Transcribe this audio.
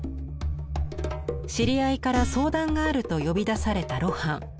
知り合いから相談があると呼び出された露伴。